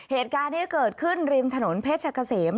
เหตุการณ์นี้เกิดขึ้นริมถนนเพชรกะเสม